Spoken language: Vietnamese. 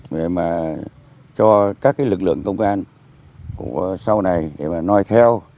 để cho các lực lượng công an sau này nói theo